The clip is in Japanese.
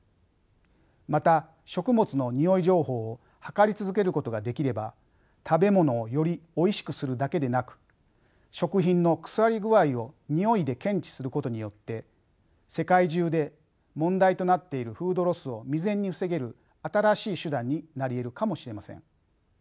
また食物のにおい情報を測り続けることができれば食べ物をよりおいしくするだけでなく食品の腐り具合をにおいで検知することによって世界中で問題となっているフードロスを未然に防げる新しい手段になりえるかもしれません。